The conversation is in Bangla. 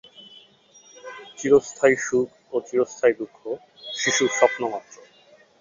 চিরস্থায়ী সুখ ও চিরস্থায়ী দুঃখ শিশুর স্বপ্নমাত্র।